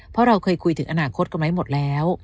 เพราะเราเคยคุยถึงอนาคตกันไว้หมดแล้ว